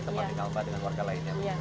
tempat di kalpa dengan warga lainnya